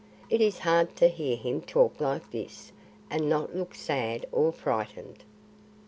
It is hard to hear him talk like this and not look sad or frightened."